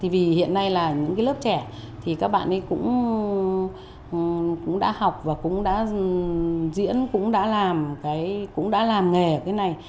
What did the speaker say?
vì hiện nay là những lớp trẻ thì các bạn ấy cũng đã học và cũng đã diễn cũng đã làm nghề ở cái này